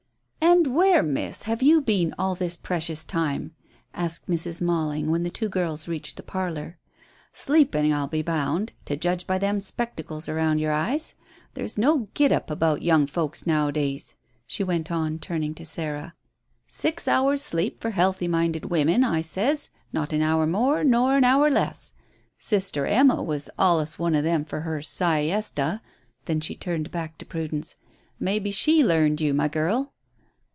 "And where, miss, have you been all this precious time?" asked Mrs. Malling, when the two girls reached the parlour. "Sleeping, I'll be bound, to judge by them spectacles around your eyes. There's no git up about young folk now a days," she went on, turning to Sarah. "Six hours' sleep for healthy minded women, I says; not an hour more nor an hour less. Sister Emma was allus one o' them for her sy esta." Then she turned back to Prudence. "Maybe she learned you, my girl."